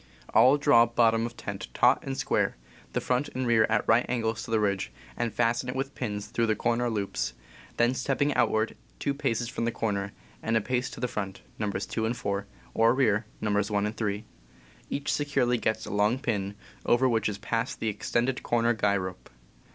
All draw bottom of tent taut and square, the front and rear at right angles to the ridge, and fasten it with pins through the corner loops, then stepping outward two paces from the corner, and a pace to the front (Nos. 2 and 4) or rear (Nos. 1 and 3), each securely sets a long pin, over which is passed the extended corner guy rope.